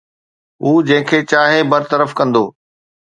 هو جنهن کي چاهي برطرف ڪندو